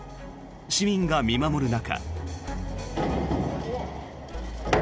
市民が見守る中。